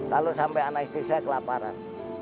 kalau sampai anak istri saya kelaparan